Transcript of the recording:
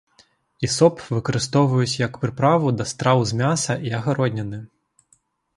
Ісоп выкарыстоўваюць як прыправу да страў з мяса і агародніны.